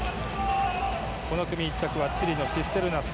この組１着はチリのシステルナス。